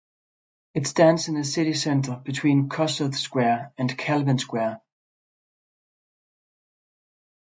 It stands in the city centre, between Kossuth square and Kalvin square.